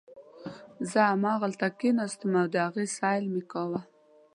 زه همالته کښېناستم او د هغې سیل مې کاوه.